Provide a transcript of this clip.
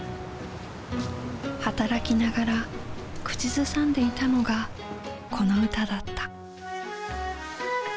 働きながら口ずさんでいたのがこの歌だった。